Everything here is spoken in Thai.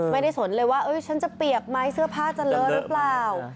ไม่ได้สนเลยว่าฉันจะเปียบไม้เสื้อผ้าจันเลยหรือเปล่า